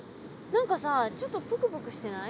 何かさちょっとプクプクしてない？